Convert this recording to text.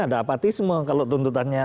ada apatisme kalau tuntutannya